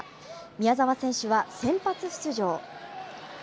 宮澤選手は先発出場。